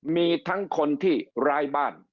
มีทั้งคนที่ร้ายบ้าน